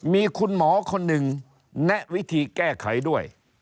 มีคุณหมอคนหนึ่งแนะวิธีแก้ไขด้วย